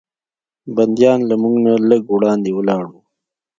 بندیان له موږ نه لږ وړاندې ولاړ و.